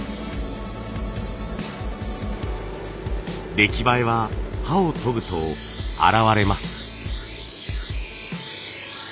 出来栄えは刃を研ぐと表れます。